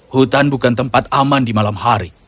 hutan bukan tempat aman di malam hari